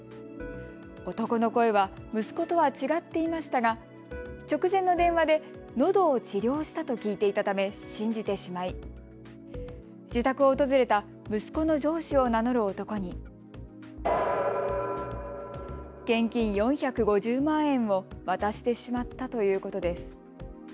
男の声は息子とは違っていましたが直前の電話でのどを治療したと聞いていたため信じてしまい自宅を訪れた息子の上司を名乗る男に現金４５０万円を渡してしまったということです。